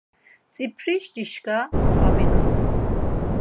Tzipurişi dişǩa p̌aminon.